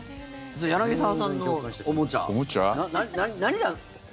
柳澤さんのおもちゃ何が。